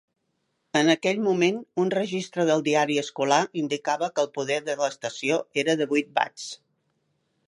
En aquell moment, un registre del diari escolar indicava que el poder de l'estació era de vuit watts.